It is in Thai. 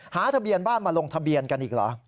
ทะเบียนบ้านมาลงทะเบียนกันอีกเหรอ